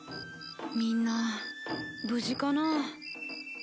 みんな無事かな。